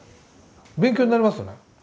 勉強になりますよね。